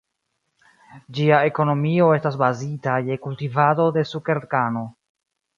Ĝia ekonomio estas bazita je kultivado de sukerkano.